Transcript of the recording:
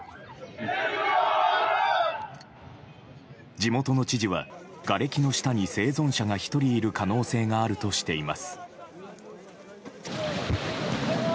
地元の知事はがれきの下に生存者が１人いる可能性があるとしています。